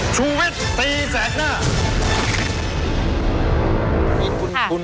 คุณผู้ชมทำพลาดค่ะ